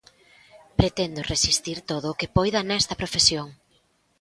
Pretendo resistir todo o que poida nesta profesión.